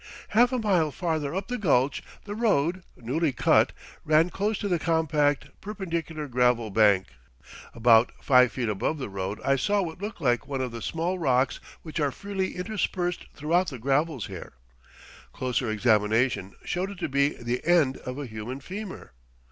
Half a mile farther up the gulch, the road, newly cut, ran close to the compact, perpendicular gravel bank. About five feet above the road I saw what looked like one of the small rocks which are freely interspersed throughout the gravels here. Closer examination showed it to be the end of a human femur.